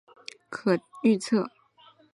其他大型地质事件更具可预测性。